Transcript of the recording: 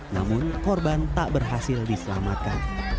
namun korban tak berhasil diselamatkan